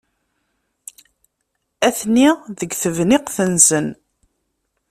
Atni deg tebniqt-nsen.